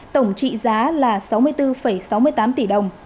tổng trị giá là sáu mươi bốn sáu mươi tám tỷ đồng